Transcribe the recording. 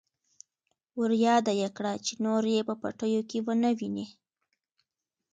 ورياده يې کړه چې نور يې په پټيو کې ونه ويني.